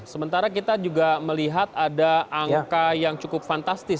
sementara kita juga melihat ada angka yang cukup fantastis